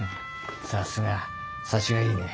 さすが察しがいいね。